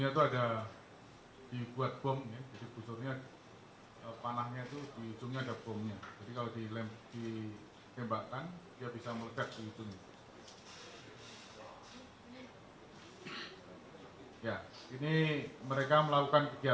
ya rekan rekan mohon waktu untuk petugas sedang melakukan analisis dan nanti akan kita sampaikan kepada rekan rekan media